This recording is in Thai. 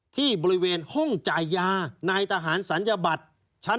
ที่บริเวณห้องจ่ายยานายทหารศัลยบัตรชั้น๓